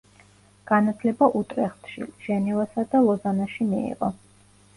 განათლება უტრეხტში, ჟენევასა და ლოზანაში მიიღო.